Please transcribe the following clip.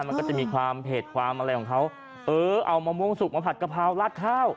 มันก็จะมีความเผ็ดความอะไรของเขาเออเอามะม่วงสุกมาผัดกะเพรารัดข้าว